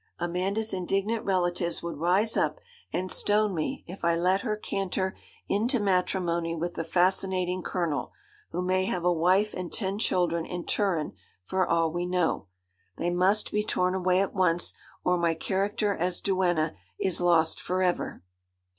Amanda's indignant relatives would rise up and stone me if I let her canter into matrimony with the fascinating Colonel, who may have a wife and ten children in Turin, for all we know. They must be torn away at once, or my character as duenna is lost for ever.'